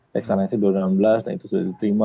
teks amnesty dua ribu enam belas dan itu sudah diterima